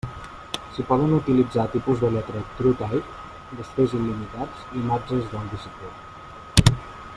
S'hi poden utilitzar tipus de lletra TrueType, desfés il·limitats i imatges del disc dur.